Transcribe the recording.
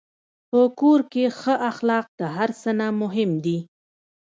په کور کې ښه اخلاق د هر څه نه مهم دي.